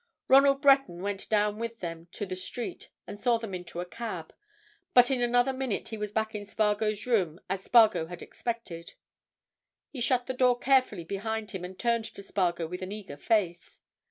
Ronald Breton went down with them to the street and saw them into a cab, but in another minute he was back in Spargo's room as Spargo had expected. He shut the door carefully behind him and turned to Spargo with an eager face.